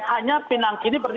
hanya pinangki ini berdiri